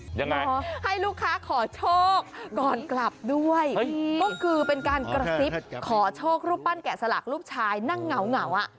ยังไงขอให้ลูกค้าขอโชคก่อนกลับด้วยก็คือเป็นการกระซิบขอโชครูปปั้นแกะสลักลูกชายนั่งเหงาเหงาอ่ะ